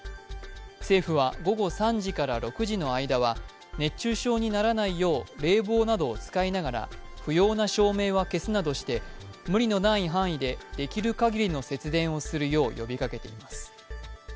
政府は、午後３時から６時の間は熱中症にならないよう冷房などを使いながら不要な照明は消すなどして無理のない範囲でできる限りの節電をするよう呼びかけています。